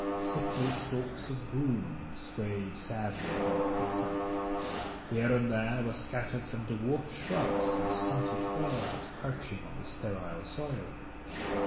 Sickly stalks of broom swayed sadly upon the quicksands; here and there were scattered some dwarf shrubs and stunted firs crouching on the sterile soil.